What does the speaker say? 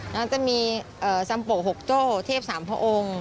แล้วจะมีซัมโปะ๖โจ้เทพสามพระองค์